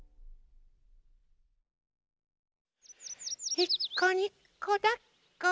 「いっこにこだっこ」